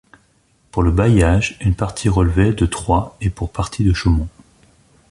Pour le bailliage, une partie relevait de Troyes et pour partie de Chaumont.